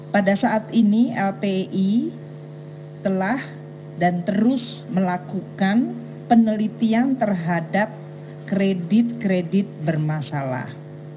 pada saat ini lpi telah dan terus melakukan penelitian terhadap kredit kredit bermasalah